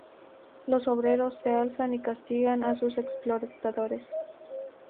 Los obreros se alzan y castigan a sus explotadores.